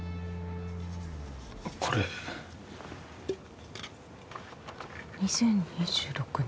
これ２０２６年？